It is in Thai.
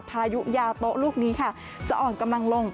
พายุยาโต๊ะลูกนี้ค่ะจะอ่อนกำลังลง